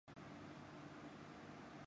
مجھے یقین ہے اچھا ہی ہو گا۔